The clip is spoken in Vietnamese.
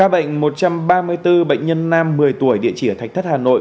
ba bệnh một trăm ba mươi bốn bệnh nhân nam một mươi tuổi địa chỉ ở thạch thất hà nội